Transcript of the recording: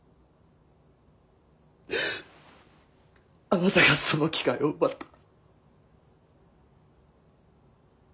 あなたがその機会を奪った。